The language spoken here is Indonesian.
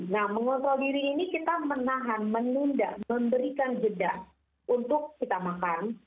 nah mengontrol diri ini kita menahan menunda memberikan jeda untuk kita makan